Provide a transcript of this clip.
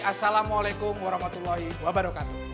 assalamualaikum warahmatullahi wabarakatuh